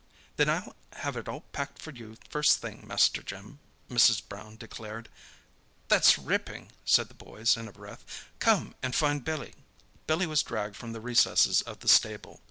"Then I'll have it all packed for you first thing, Master Jim," Mrs. Brown declared. "That's ripping," said the boys in a breath. "Come and find Billy." Billy was dragged from the recesses of the stable.